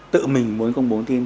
tự mình muốn công bố thông tin